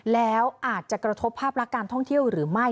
แล้วอาจจะกระทบภาพลักษณ์การท่องเที่ยวหรือไม่